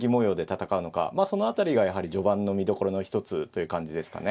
その辺りがやはり序盤の見どころの一つという感じですかね。